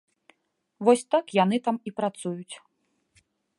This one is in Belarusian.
Вось так яны там і працуюць.